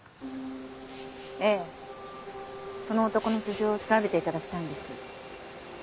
ええその男の素性を調べていただきたいんです。